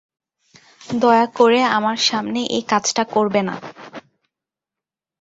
দয়া করে আমার সামনে এই কাজটা করবে না।